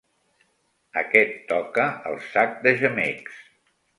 Aquest toca el sac de gemecs.